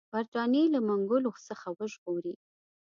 برټانیې له منګولو څخه وژغوري.